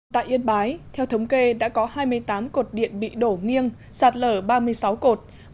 tại yên bái theo thống kê đã có hai mươi tám cột điện bị đổ nghiêng sạt lở ba mươi sáu cột